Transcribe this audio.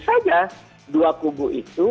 saja dua kubu itu